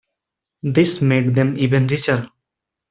This made them even richer.